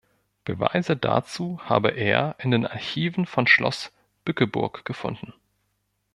Beweise dazu habe er in den Archiven von Schloss Bückeburg gefunden.